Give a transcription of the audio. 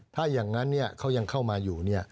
ถ้าอย่างนั้นเขายังเข้ามาอยู่